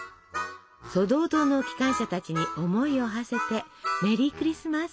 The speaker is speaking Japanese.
ソドー島の機関車たちに思いをはせてメリー・クリスマス！